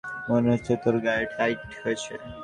মনে হচ্ছে তোর গায়ে টাইট হয়েছে।